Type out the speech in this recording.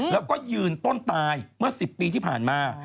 แล้วก็ยืนต้นตายเมื่อ๑๐ปีที่ผ่านมา